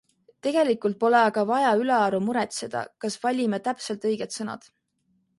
Tegelikult pole aga vaja ülearu muretseda, kas valime täpselt õiged sõnad.